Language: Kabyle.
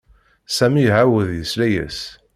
Sami iɛawed yesla-as.